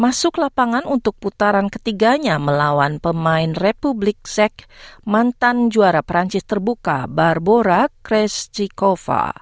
masuk lapangan untuk putaran ketiganya melawan pemain republik sek mantan juara perancis terbuka barbora christicova